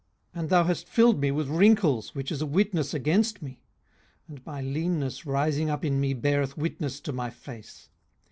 18:016:008 And thou hast filled me with wrinkles, which is a witness against me: and my leanness rising up in me beareth witness to my face.